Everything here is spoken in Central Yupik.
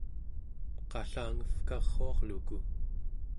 qallangevkaruarluku